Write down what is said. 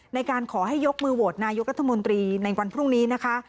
ในการขอให้ยกมือโหวตนายกรัฐมนตรีในวันพรุ่งนี้นะคะ